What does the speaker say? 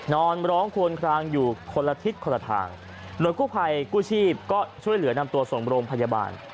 นอนร้องควนคลางอยู่คนละทิศคนละทางหน่วยกู้ภัยกู้ชีพก็ช่วยเหลือนำตัวส่งโรงพยาบาล